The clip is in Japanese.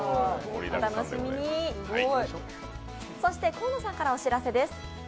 河野さんからお知らせです。